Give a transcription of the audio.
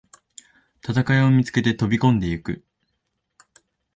戦いを見つけて飛びこんでいく